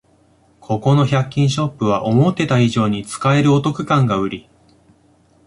ここの百均ショップは思ってた以上に使えるお得感がウリ